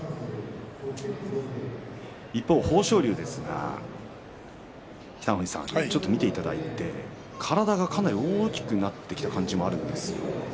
一方、豊昇龍ですが北の富士さん、ちょっと見ていただいて体がかなり大きくなってきた感じがあるんですよ。